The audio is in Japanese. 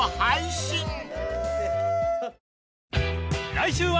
［来週は］